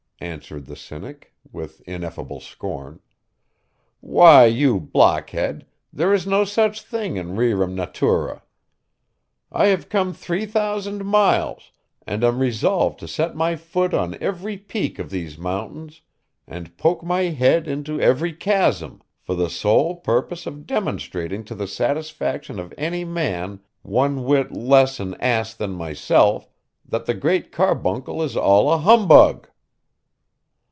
answered the Cynic, with ineffable scorn. 'Why, you blockhead, there is no such thing in rerum natura. I have come three thousand miles, and am resolved to set my foot on every peak of these mountains, and poke my head into every chasm, for the sole purpose of demonstrating to the satisfaction of any man one whit less an ass than thyself that the Great Carbuncle is all a humbug!